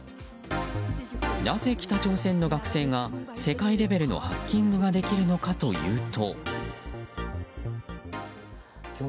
なぜ北朝鮮の学生が世界レベルのハッキングができるのかというと。